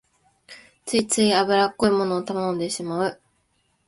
ついつい油っこいものを頼んでしまう